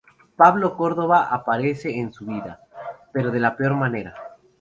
Pablo Córdoba aparece en su vida, pero de la peor manera.